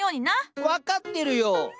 分かってるよ。